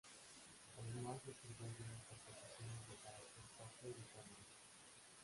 Además escribió algunas composiciones de carácter sacro y de cámara.